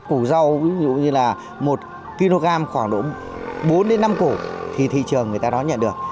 củ rau ví dụ như là một kg khoảng độ bốn đến năm cổ thì thị trường người ta nó nhận được